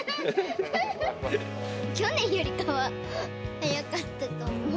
去年よりかは速かったと思う。